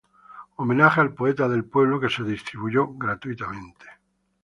Homenaje al poeta del pueblo", que se distribuyó gratuitamente.